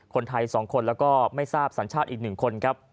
คนไทย๒คนและไม่ทราบสัญชาติอีก๑คน